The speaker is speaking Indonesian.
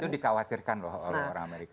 itu dikhawatirkan loh oleh orang amerika